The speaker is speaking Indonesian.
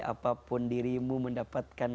apapun dirimu mendapatkan